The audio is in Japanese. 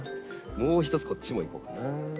もう一つこっちもいこうかな。